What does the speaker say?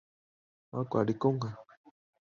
范广人。